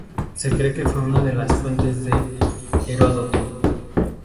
Se cree que fue una de las fuentes de Heródoto.